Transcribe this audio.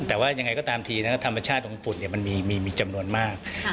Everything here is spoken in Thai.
แต่ว่ายังไงก็ตามทีนะธรรมชาติของฝุ่นมันมีจำนวนมาก